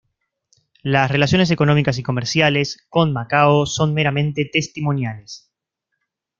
Las relaciones económicas y comerciales con Macao son meramente testimoniales.